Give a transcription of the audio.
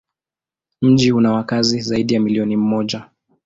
Mji una wakazi zaidi ya milioni moja.